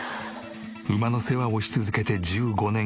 馬の世話をし続けて１５年。